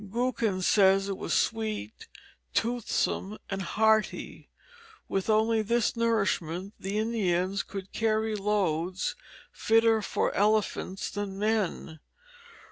Gookin says it was sweet, toothsome, and hearty. With only this nourishment the Indians could carry loads "fitter for elephants than men."